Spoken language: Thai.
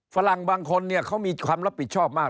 ฝรั่งบางคนเนี่ยเขามีความรับผิดชอบมาก